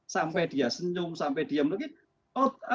sampai dia senyum sampai dia menunggu